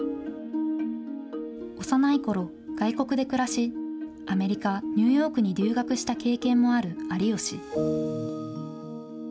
幼いころ、外国で暮らし、アメリカ・ニューヨークに留学した経験もある有吉。